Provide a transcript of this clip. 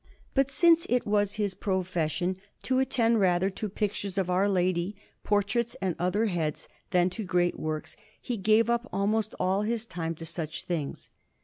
But since it was his profession to attend rather to pictures of Our Lady, portraits, and other heads, than to great works, he gave up almost all his time to such things.